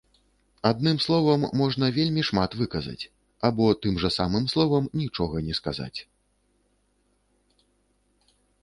Адным словам можна вельмі шмат выказаць, або тым жа самым словам нічога не сказаць.